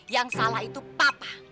yang salah itu papa